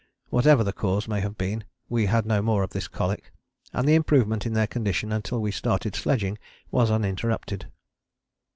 Whatever the cause may have been we had no more of this colic, and the improvement in their condition until we started sledging was uninterrupted.